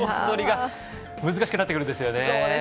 取りが難しくなってくるんですよね。